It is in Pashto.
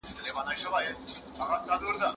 موږ ډېر علمي اثار لرو.